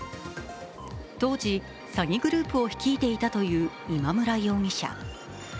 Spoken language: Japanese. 杜氏、詐欺グループを率いていたという今村容疑者。